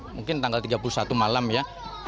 mungkin tanggal tiga puluh satu malam ya